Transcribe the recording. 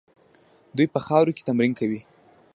دوی په خاورو کې تمرین کوي.